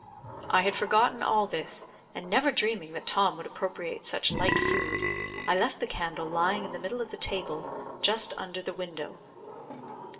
I had forgotten all this, and never dreaming that Tom would appropriate such light food, I left the candle lying in the middle of the table, just under the window.